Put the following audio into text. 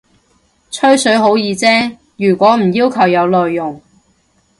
吹水好易啫，如果唔要求有內容